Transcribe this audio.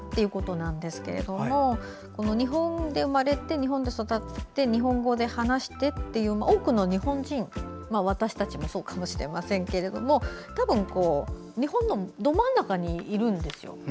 ですが日本で生まれて日本で育って日本語で話してっていう多くの日本人私たちもそうかもしれませんけどたぶん日本のど真ん中にいるんですよ。